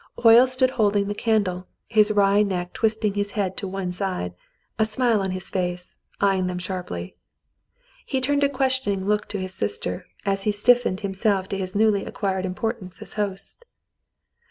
Hoyle stood holding the candle, his wry neck twisting his head to one side, a smile on his face, eying them sharply. He turned a questioning look to his sister, as he stiffened himself to his newly acquired importance as host.